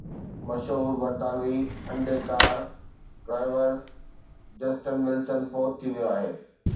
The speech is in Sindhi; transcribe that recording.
مشهور برطانوي Indy car driver Justin Wilson فوت ٿي ويو آهي